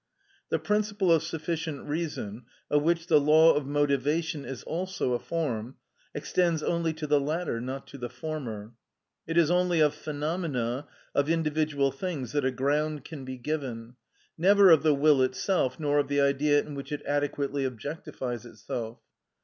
The principle of sufficient reason, of which the law of motivation is also a form, extends only to the latter, not to the former. It is only of phenomena, of individual things, that a ground can be given, never of the will itself, nor of the Idea in which it adequately objectifies itself.